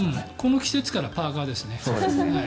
この季節からパーカーなんですよね。